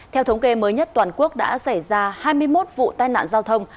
theo thống kê mới nhất toàn quốc đã xảy ra hai mươi một vụ tai nạn giao thông